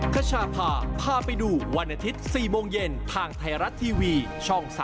ขชาพาพาไปดูวันอาทิตย์๔โมงเย็นทางไทยรัฐทีวีช่อง๓๒